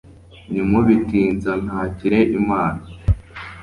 nimubitinza ntakire imana